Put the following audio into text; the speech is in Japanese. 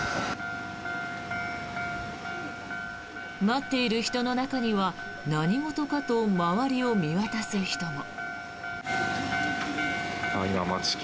待っている人の中には何事かと周りを見渡す人も。